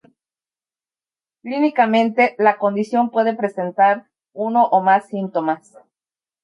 Clínicamente, la condición puede presentar uno o más síntomas.